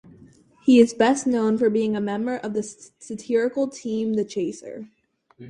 He is best known for being a member of satirical team The Chaser.